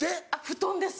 布団です